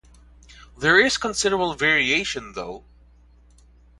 There is considerable variation, though.